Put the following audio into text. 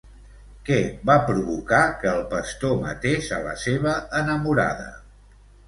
Què va provocar que el pastor matés a la seva enamorada?